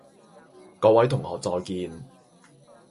各位同學再見